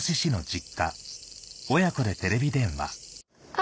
あ！